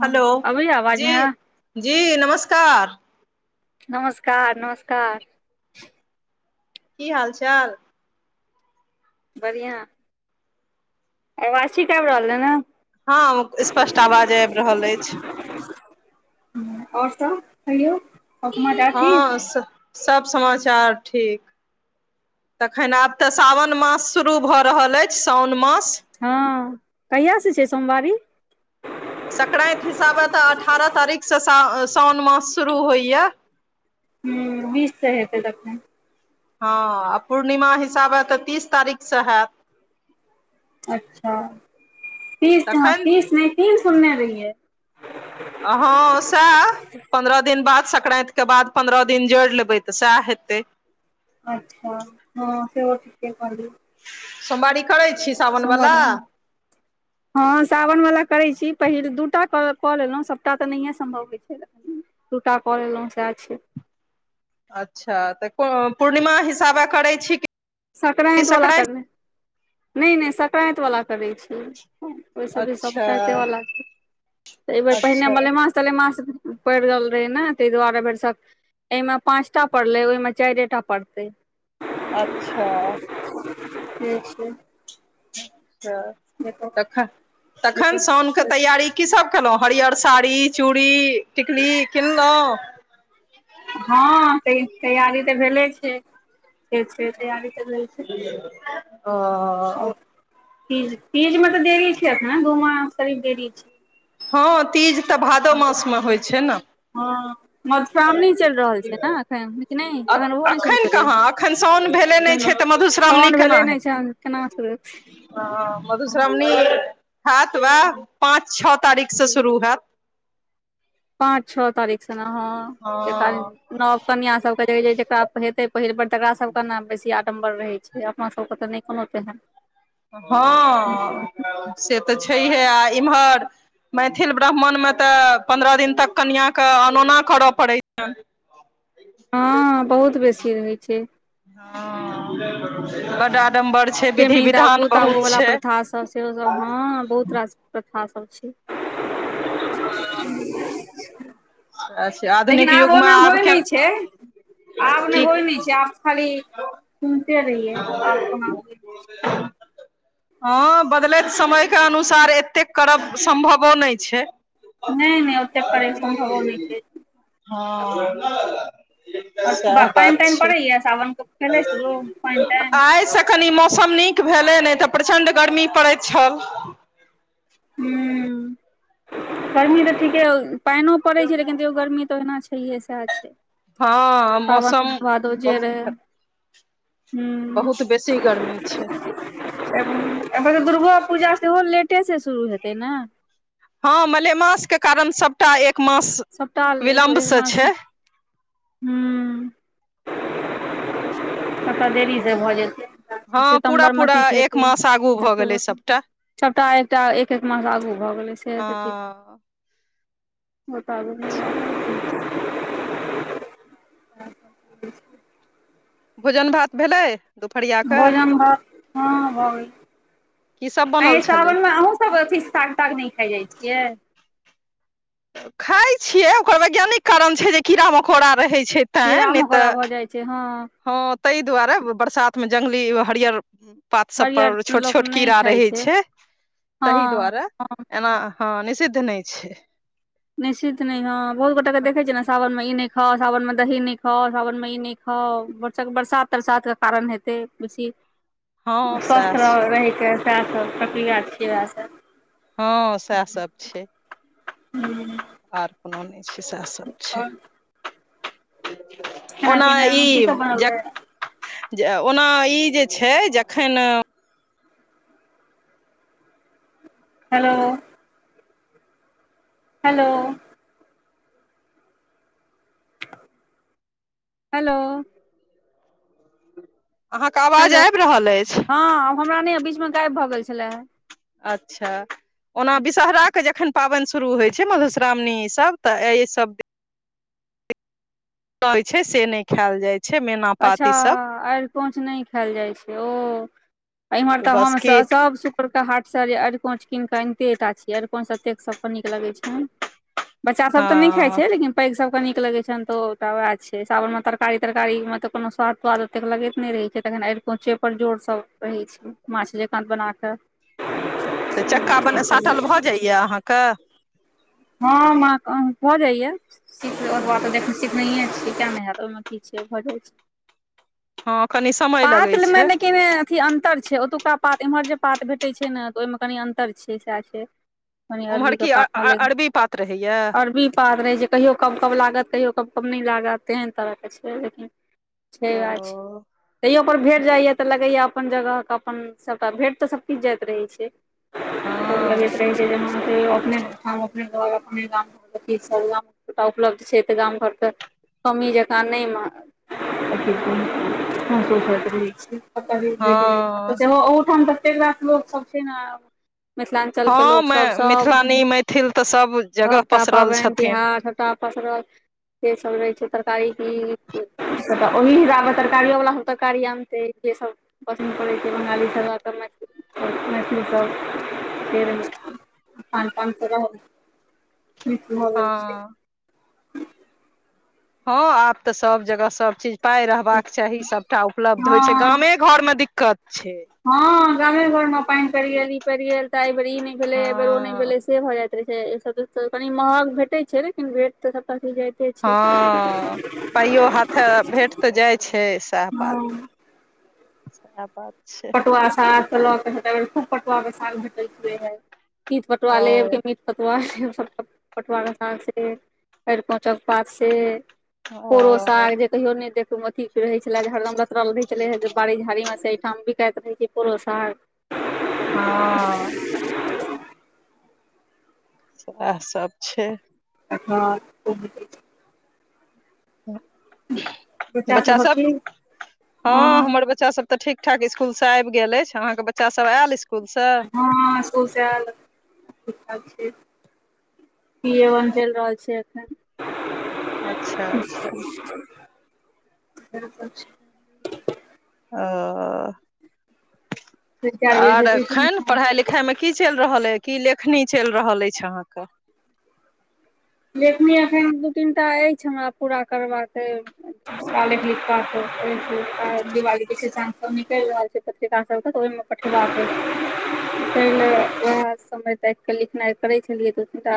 हँ हेलो अबैय आवाज जी नेहा जी नमस्कार नमस्कार नमस्कार की हाल चाल बढ़िआँ आवाज ठीक आबि रहलै ने हँ स्पष्ट आवाज आबि रहल अछि आओर सभ कहियौ। समाचार ठीक हँ, सभ समाचार ठीक छै। तखन आब तऽ सावन मास शुरू भऽ रहल अछि, साओन मास। हँ, कहियासँ छै सोमवारी? संक्रान्तिक हिसाबे तऽ अठारह तारीखसँ सावन मास शुरू होइए। हँ, बीस हेतै तखने। हँ, आ पूर्णिमा हिसाबे तऽ तीस तारीखसँ हैत। अच्छा, तीस तखन नहि, तीन सुनने रहियै। आ हँ, सेह। पन्द्रह दिन बाद संक्रान्तिक बाद पन्द्रह दिन जोड़ि लेबै तऽ सएह हेतै। अच्छा हँ, सेहो ठीके कहै छी। सोमवारी करै छी? सावन सोमवार वला हँ, सावनवला करैत छी, पहिल दूटा कऽ लेलहुँ, सभटा तऽ नहिए सम्भव होइत छै। दूटा करि लेलहुँ से छै। अच्छा, तऽ कोन पूर्णिमा हिसाबे करैत छी कि? संक्रान्तिवला संक्रान्ति करै छी, संक्रान्तिवला करै छी। ओ सभ भी सब अच्छा करैतवला छै, एहि बेर पहिने अच्छा मलमास। चलेमास पड़ि गेल रहै ने, ताहि दुआरे भरोसे। एहिमे पाँचटा पड़लै, ओहिमे चारिएटा पड़तै। अच्छा ठीक छै अच्छा, तखन तखन साओनके तैयारी। की की केलहुँ? हरियर साड़ी, चूड़ी, टिकली किनलहुँ। हँ, तैयारी तऽ भेल छै, तैयारी तऽ भेल छै। ह ओ फेरमे तऽ देरी छै ने, दू चारि दिन देरी छै। हँ, तीज तऽ भादो मासमे होइ छै ने। हँ मधुश्रावणी चलि रहल छै ने एखन कि नहि एखन ओहो नहि शुरू अखन भेलै हे कहाँ? एखन सावन भेलै नहि छै तऽ मधुश्रावणी साउन केना भेले नहि छै हेतै। केना हँ, मधुश्रावणी होत, वएह पाँच छओ तारीखसँ शुरू होयत। पाँच छओ तारीखसँ ने, हँ, जे कहै हँ छी। नव कनिया सभकेँ जे जेकरा होइत छै, पहिल बेर तकरा सभकेँ ने बेसी। मड़र रहै छै, अपना सभकेँ तऽ नहि कोनो तेहन। हँ, से तऽ छैहे आ इम्हर। मैथिल ब्राह्मणमे तऽ पन्द्रह दिन तक कनिआँकेँ अनोना करऽ पड़ै छनि। हँ, बहुत बेसी रहै छै। बड़का आडम्बर। छै विधि टेमी विधान दागू बहुत ताबूवला छै प्रथा सभ सेहो, हँ, बहुत रास प्रथा सभ छै। हँ अच्छा लेकिन आधुनिक युगमे ओना आब होइ के नहि छै आब नहि की होइ छै, आब खाली। सुनते रहियै, आब ओना हो। हँ, बदलैत समयके अनुसार एतेक करब सम्भवो नहि छै। नहि नहि, ओतेक परेशान होबो नहि छै। हँ आओर पानि तानि पड़ैयै सावन भेलै शुरू पानि तानि आइ स कनि मौसम नीक भेलै, नहि तऽ प्रचण्ड गर्मी पड़ैत छल। हूंम्म गर्मी तऽ ठीके पानियो पड़ैत छै लेकिन तैयो गर्मी तऽ ओहिना छै सहिये सएह छै हँ सावन मौसम भादो जे रहै बहुतक हूँ बहुत बेसी गर्मी छै दुर्गो पूजा सेहो लेटे से शुरू हेतै ने हँ मलेमासके कारण सभटा एक मास सबटा विलम्बसँ छै ह्म [inaudible] कतऽ देरीसँ भऽ जेतै हँ पूरा सितम्बरमे पूरा की एक जेतै मास आगू भऽ गेलै अक्टूबरमे सभटा सभटा एकटा एक एक मांह आगू भऽ गेलै सेहो तऽ ठीक हँ मुताबिक [unintelligible] [inaudible] भोजन भात भेलै दुपहरिया के भोजन भात हँ भऽ गेल की सब ऐं यै बनल छलै सावनमे अहूँ सब अथी साग ताग नहि खाय जाय छियै खाइ छियै ओकर वैज्ञानिक कारण छै जे कीड़ा मकोड़ा रहै छै तैं कीड़ा नहि मकोड़ा भऽ तऽ जाय छै हँ हँ ताहि दुआरे बरसात मे जंगली हरियर पात सब हरियर पर छोट लोक छोट नहि कीड़ा खाइ रहै छै हँ तहि दुआरे हँ एना हँ निषिद्ध नहि छै निषिद्ध नै हँ बहुत गोटा के देखे छियै ने सावन मे इनै खाउ सावनमे दही नहि खाउ सावनमे ई नहि खाउ बरस बरसात तरसातके के कारण हेतै बेसी हँ सएह स्वस्थ रह छै रहिके सएह सब प्रक्रिया छियै उएहसँ हँ सएह सब छै हूँ आर कोनो नहि छै सएह सब छै खाना ओना पीना ई की सब बनल जे रहै जे ओना ई जे छै जखन हेलो हेलो हेलो अहाँके आवाज हेलो आबि रहल अछि हँ हमरा नहि बीचमे गायब भऽ गेल छले अच्छा ओना विषहरा जखन पावनि शुरू होइ छै मधुश्रावणी ईसब तऽ एहि सब कहै छै से नहि खायल जाय छै मैना पाती सब कोंच नहि खायल जाय छै ओ इम्हर तऽ बस हम की सब सुकर के हाट सँ जे अरिकोंच कीन केऽ अनते टा छियै अरिकोंच एतेक सबके नीक लगे छैन बच्चासभ हँ तऽ नहि खाइ छै लेकिन पैघ सभके नीक लगैत छनि तऽ ओटा उएह छै सावनमे तरकारी तरकारी तऽ कोनो स्वाद त्वाद ओतेक लगैत नहि रहै छै तखन अरिकोंचे पर जोर सभ रहै छै माछ जेकाँ बना कऽ से चक्का बने साटल भऽ जाइये अहाँके हँ माक भऽ जाइये सीख सिखनहिये छियै किया नहि हेत ओहिमे की छै भऽ जाइ छै ठप पातमे लेकिन अथी अन्तर छै ओतुका पात एम्हर जे पात भेटैत छै ने तऽ ओहिमे कनि अन्तर छै सएह छै कनी ओम्हर अरबी के की पातमे लेब अरबी पात रहैया कनी अरबी पात रहै छै कहियो कब कब लागत कहियो कब कब नहि लागत तेहन तरहके छै लेकिन छै बात ओ छै तैयो पर भेट जाइ यतऽ लगैया अपन जगह के अपन सबटा भेंट तऽ सबकिछ जाइत रहै छै गोर हँ लगेय छी हम कहियौ अपने हम अपने घर अपने गाम घर ग उपलब्ध छै तऽ गाम घरके मम्मी जकाँ नहि मारब छी हँ ओठाम त [inaudible] लोक सब छै ने मिथिलाञ्चलके हँ लोकसभ सभ मिथिलानी मैथिल तऽ सभ जगह सभटा पसरल पाबैन छथिन तिहार सभ छटा पसरल से सब रहे छै तरकारी की तऽ ओहिब तरकारियोवला सभ तरकारी आनतै जेसभ पसन्द पड़ै छै बंगाली सभ तऽ मैओ मैथिलीसभ फेर पान पान त हो छै हँ हँ आब तऽ सब जगह सब चीज पाय रहबाक चाही सभटा उपलब्ध होइ हँ छै गामे घर मे दिक्कत छै हँ गामे घरमे पैन पड़ि गेल ई पड़ि गेल तऽ एहिबर ई नहि भेलै हँ एहिबेर ओ नहि भेलै से भए जाइत रहे छै सब कनी महग भेटे छै लेकिन भेट तऽ सबटा सी हँ पाइयो हाथे भेंट तऽ जाइ छै सएह बात [unintelligible] सेह बात छै पटुआ साग ल के भे खूब पटुआ के साग भेटैतुे हे तीट पटुआ ओ लेब के म पतुआ से अरिकोंचक पातसँ से ओ पोड़ो साग जे कहियो नहि देख अथी रहै छले जे हरदम लतड़ ल रहै छले हे जे बाड़ी झाड़ी मे से ठ्बीतऽय त रह छै पुरो साग हँ इएह सब छै हँ ब [inaudible] बच्चा सब हँ हमर बच्चा बच्चासभ तऽ ठीक ठाक इस्कुलसँ आबि गेल अछि अहाँके बच्चासभ आयल इस्कुलसँ हँ इस्कूल सँ आएल ठीक ठाक छी पी ए बन चैल रहल छै एखन अच्छा अच्छा ब छै [inaudible] ओ चारि बजे आर से ट्यूशन एखन पढ़ाई छै लिखाई मे की चैल रहल अछि की लेखनी चलि रहल अछि अहाँके जखनी एखन दू तीनटा अछि हमरा पूरा करबाक काल भ पत दिवाली प स निकल रहै छै पत्रिका तऽ ओहिमे पठबाक अय पहिले वएह समय तैक लिखनाइ करे छलियै द त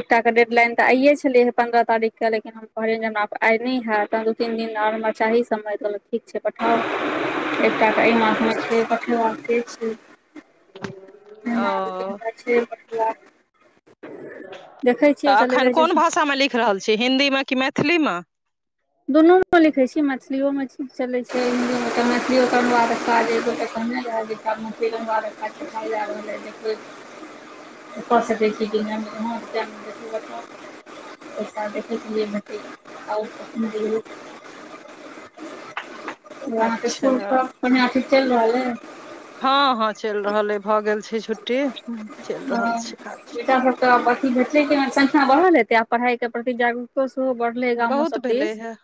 एकटा के डेड लइन तऽ आइये छलिय हे पन्द्रह तारीख के लेकिन कहलियन आई नै हायत आ हत दू तीन दिन आओर हमरा समय चाहि ठीक छै पठादेब आ एकट तऽ एहि मासमे छै को छै [unintelligible] ओ छै देखै छी तऽ अखन कोन भाषामे लिख रहल छी हिन्दीमे कि मैथिलीमे दुनूमे लिखैत छै मैथिलियोमे चलैत छै हिन्दीमे तऽ मैथिलि मे [unintelligible] क सकै छि की [unintelligible] [unintelligible] अहाँ के अच्छा इसकुल सभ बढ़िया थीक चलि रहल अय हँ हँ चलि रहल अ भऽ गेल छै छुट्टी चलि रहल छै काज सब त अथि भेटले के संख्या बढ़ल हेतै आब पढ़ाई के प्रति जागरूको सेहो बढ़ले गामो बहुत सब भेलै हे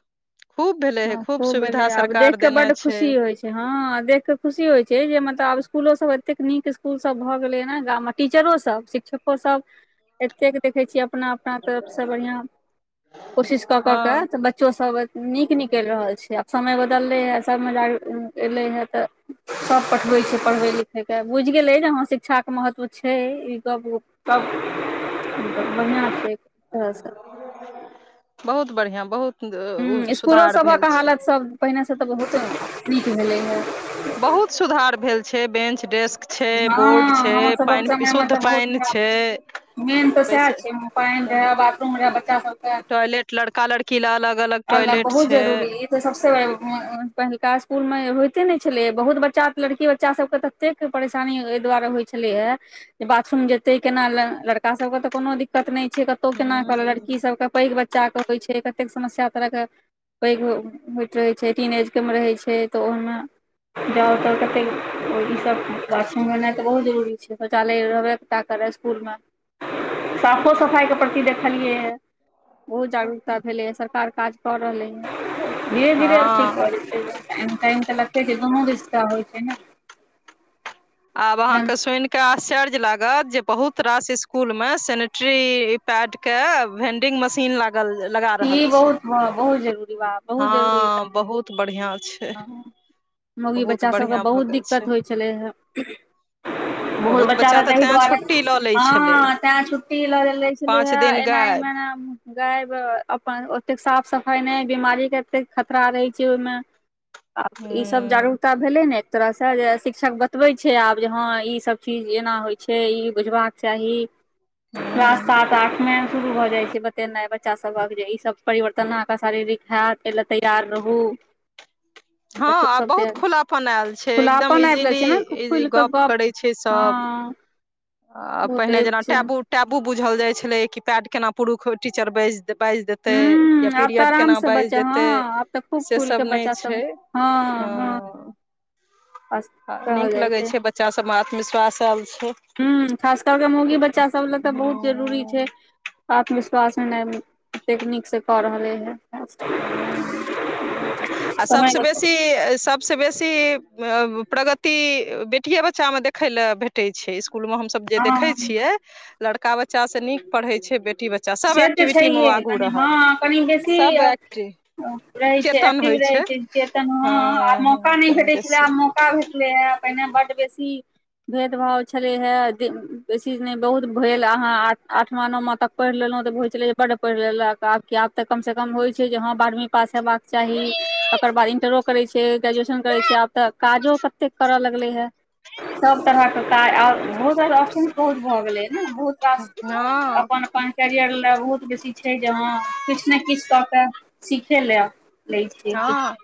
खूब भेलै हे हँ खूब भेल सुविधा आब देख सरकार के देने बड छै खुशी होइ छै हँ देख क खुशी होइ छै जे मतलब आब स्कुलो सब एतेक नीक स्कूल सब भऽ गेलै ह ने गाम टीचरो सब शिक्षकोसभ एतेक देखै छियै अपना अपना तरफ से बढ़ियां कोशिश कऽ कऽ के हँ तऽ बच्चोसभ नीक निकलि रहल छै आब समय बदललै हँ सभ मजाक एलै हँ तऽ सभ पठबैत छै पढ़बै लिखयके बुझि गेलै जे हँ शिक्षाके महत्व छै ई गप सब बढ़िआँ छै तहै स बहुत बढ़िआँ बहुत हूँ स्कूलो सुधार सभक भेल छै हालत सब पहिने से तऽ बहुते नीक भेलै हे बहुत सुधार भेल छै बेंच डेस्क छै बोर्ड हँ छै हमर सबक पाइन समय मे तऽ शुद्ध बहुत पाइन छै खराब मेन तऽ सेहे बैस छै पानि रहे बाथरूम रहे टॉयलेट लड़का लड़की ल अलग अलग अलग टॉयलेट बहुत छै जरूरी सबसँ बड़ पहिलुका इसकुलमे होइते नहि छलै बहुत बच्चा लड़की बच्चा सबके तऽ कतेक परेशानी एहि दुआरे होइ छलै हे जे बाथरूम जेते केना ल लड़का सब के तऽ कोनो दिक्कत नहि छै कतौ ह केना कर लड़की सबके पैघ बच्चा के होइ छै कतेक समस्या तरहके पैघ होइत रहै छै टीन एज के मे रहै छै तऽ ओहिमे जाउ तऽ कतेक ईसभ बाथरूममेनाइ तऽ बहुत जरूरी छै शौचालय रहबय करै इसकुलमे साफो सफाइके प्रति देखलियै ह बहुत जागरूकता भेलैए सरकार काज कऽ रहलैए धीरे धीरे अथी कऽ हँ छै म टाइम तऽ रखै छै दुनू रिश्ता होइ छै ने आब जन अहाँके सुनि के आश्चर्य लागत जे बहुत रास इसकुलमे सेनेटरी पैड के वेंडिंग मशीन लाग लगा रहल ई छै बहुत बहुत जरूरी बा हँ बहुत बढ़िया छै मुगी बहुत बच्चा सभकेँ बढ़िया भऽ बहुत गेल छै दिक्कत होइ छलै हे बहुत बहुत बच्चा रह तऽ ताहि तैं दुआरे छुट्टी लऽ लै छलै हँ तैं छुट्टी लेे छलै पाँच हे दिन एनाही गायब मे न गायब अपन ओतेक साफ सफाइ नहि बीमारी के एतेक खतरा रहै छै ओहिमे ह आब ई सब जागरूकता भेलै ने एक तरहसँ जे शिक्षक बतबै छै आब जे हँ ई सब चीज एना होइ छै ई बुझबाक चाही ह रात सात आठ मे शुरू भऽ जाइ छै बतेनाइ बच्चा सबक जे ई सब परिवर्तन अहके शारीरिक हैत एहि ले तैयार रहू हँ बच्चो आब सभ दे बहुत आयल छै एकदम खुलापन आबि इजीली गेल छै ने इजी खुलि कऽ गप गप्प करै छै हँ सब [inaudible] आ बहुते पहिने जेना छै टैबू टैबू बुझल जाइत छलै कि पैड केना पुरुष टीचर बैस बाजि देतै हूँ या आब तऽ पीरियड आराम केना से बाजि बच्चा हँ देतै आब तऽ खूब से खुल के सब बच्चा नहि छै हँ हँ खास कहल नीक जाइ लगे छै बच्चा सबमे आत्मविश्वास आयल छै ह्म खास करकेऽ मौगी बच्चा सभ लए तऽ बहुत जरूरी हूँ छै आत्मविश्वास ऐनाय नीकसँ कऽ रहले हँ हुँ बहुत आ समय सबसँ बेसी सब सब बेसी प्रगति बेटियए बच्चा मे देखय ल भेटै छै इसकुल मे हम सब देखै हँ छियै लड़का बच्चा नीक पढ़ छै बेटी बच्चा सभ से तऽ एक्टिविटीमे ओ छैहे आगू कनि रहत हँ कनि बेसी सभ एक्टिव रहै छै चेतन एक्टिव होइ रहै छै जे त हँ हं आ हँ मौका नहि कनि भेटै छलै बेसी आब मौक मौका भेटले हे पहिने बड बेसी भेदभाव छलै हे बेसी नहि बहुत भेल अहाँ आठमा नौमा तक पढ़ि लेलहुँ तऽ होइत छलै जे बड पढ़ि लेलक आब की आब तऽ कमसँ कम हो छै जे हँ बारहवीं पास हयबाक चाही ओकर बाद इन्टरओ करैत छै, ग्रेजुएशन करैत छै, आब तऽ काजो कते करय लगलै हे। सभ तरहके काज आओर बहुत रास, आ बहुत भऽ गेलै ह ने। बहुत रास हँ अपन अपन कैरियर लए बहुत बेसी। छै जे, हँ, किछु ने किछु कऽ केऽ सीखै लेल छै की। हँ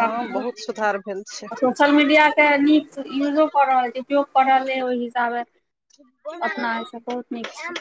हँ बहुत सुधार भेल सोशल मीडियाके नीक उपयोग कऽ रहल, ओहि हिसाबे। अपना छै एहिसँ बहुत नीक छै